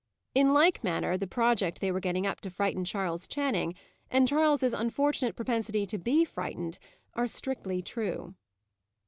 In like manner, the project they were getting up to frighten Charles Channing, and Charles's unfortunate propensity to be frightened, are strictly true.